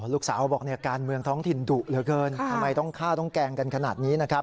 ลูกสาวบอกการเมืองท้องถิ่นดุเหลือเกินทำไมต้องฆ่าต้องแกล้งกันขนาดนี้นะครับ